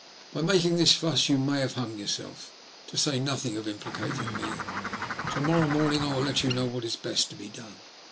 By making this fuss you might have hung yourself, to say nothing of implicating me. To morrow morning I will let you know what is best to be done.